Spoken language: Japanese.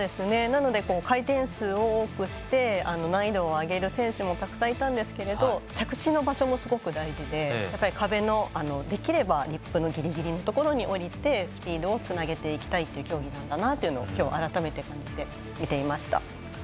なので、回転数を多くして難易度を上げる選手もたくさんいたんですけど着地の場所もすごく大事でできればリップのギリギリに降りてスピードをつなげていきたい競技なんだなと今日、改めて感じて見ていました。